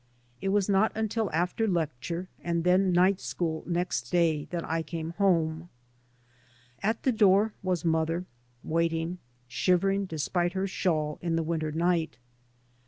It was not until after lecture and then night school next day that I came home. At the door was mother, waiting, shivering despite her shawl, in the winter night.